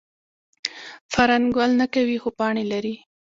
فرن ګل نه کوي خو پاڼې لري